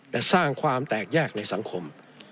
แต่สร้างความแตกแยกในสังคม